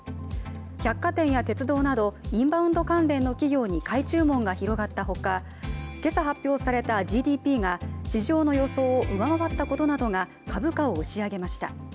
百貨店や鉄道などインバウンド関連の企業に買い注文が広がったほか、今朝、発表されたＧＤＰが市場の予想を上回ったことなどが株価を押し上げました。